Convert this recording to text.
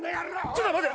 ちょっと待って。